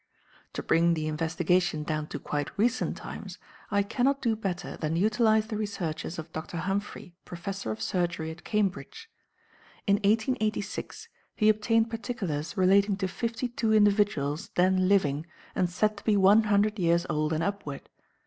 To bring the investigation down to quite recent times, I can not do better than utilize the researches of Dr. Humphry, Professor of Surgery at Cambridge. In 1886 he obtained particulars relating to fifty two individuals then living and said to be one hundred years old and upward.